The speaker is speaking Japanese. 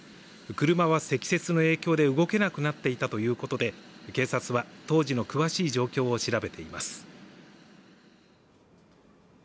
車は積雪の影響で動けなくなっていたということで警察は当時の詳しい状況を調べています。